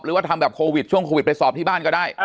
หรือว่าทำแบบโควิดช่วงโควิดไปสอบที่บ้านก็ได้